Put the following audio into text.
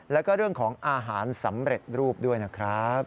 แล้วก็เรื่องของอาหารสำเร็จรูปด้วยนะครับ